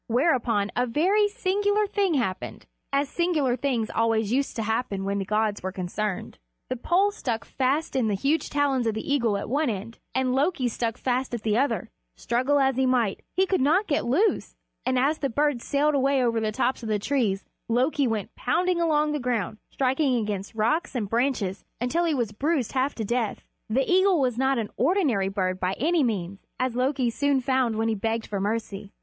Whereupon a very singular thing happened, as singular things always used to happen when the gods were concerned: the pole stuck fast in the huge talons of the eagle at one end, and Loki stuck fast at the other end. Struggle as he might, he could not get loose, and as the great bird sailed away over the tops of the trees, Loki went pounding along on the ground, striking against rocks and branches until he was bruised half to death. The eagle was not an ordinary bird by any means, as Loki soon found when he begged for mercy.